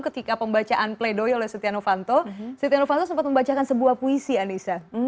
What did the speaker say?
ketika pembacaan pledoy oleh satyana vanto satyana vanto sempat membacakan sebuah puisi anissa